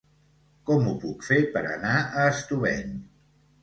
Com ho puc fer per anar a Estubeny?